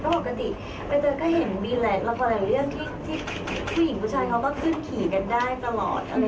ปกติใบเตยก็เห็นมีหลายเรื่องที่ผู้หญิงผู้ชายเขาก็ขึ้นขี่กันได้ตลอด